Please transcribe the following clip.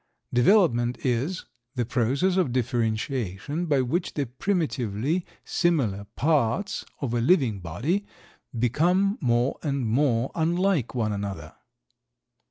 Development is "the process of differentiation by which the primitively similar parts of a living body become more and more unlike one another."